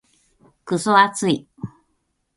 クソ暑い。